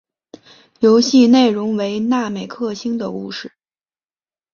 游戏内容为那美克星的故事。